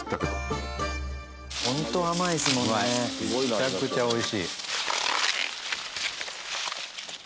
めちゃくちゃ美味しい。